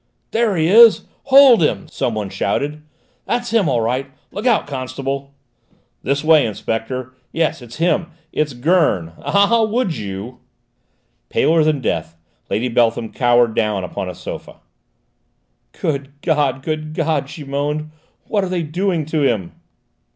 "There he is: hold him!" some one shouted. "That's him all right! Look out, constable!" "This way, Inspector! Yes, it's him, it's Gurn! Ah, would you!" Paler than death, Lady Beltham cowered down upon a sofa. "Good God! Good God!" she moaned. "What are they doing to him!"